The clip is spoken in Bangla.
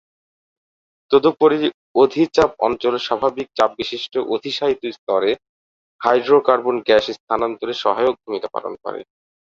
তদুপরি অধিচাপ অঞ্চল স্বাভাবিক চাপবিশিষ্ট অধিশায়িত স্তরে হাইড্রোকার্বন গ্যাস স্থানান্তরে সহায়ক ভূমিকা পালন করে।